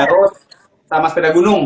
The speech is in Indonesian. rod sama sepeda gunung